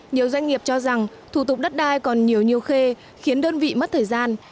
nhiều doanh nghiệp cho rằng thủ tục đất đai còn nhiều nhiều khê khiến đơn vị mất thời gian